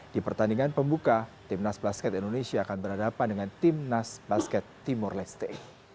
di pertandingan pembuka tim nas basket indonesia akan berhadapan dengan tim nas basket timur leste